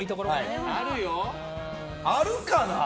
あるかな？